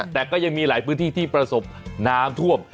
แต่ก็ยังมีหลายพื้นที่ที่ประสบน้ำท่วม